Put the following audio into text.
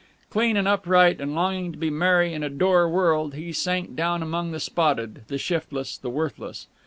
Clean and upright and longing to be merry in a dour world, he sank down among the spotted, the shiftless, the worthless.